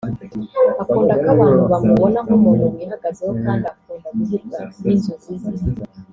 akunda ko abantu bamubona nk’umuntu wihagazeho kandi akunda guhirwa n’inzozi ze